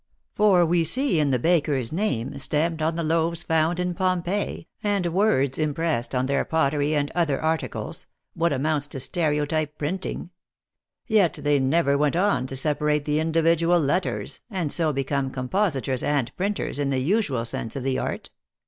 For we see, in the baker s name, stamped on the loaves found in Pompeii, and words impressed on their pottery and other articles, what amounts to stereotype printing ; yet they never went on to sepa rate the individual letters, and so become compositors THE ACTRESS IN HIGH LIFE. 35 and printers in the usual sense of the art.